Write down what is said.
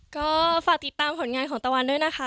ก็ฝากติดตามผลงานของตะวันด้วยนะคะ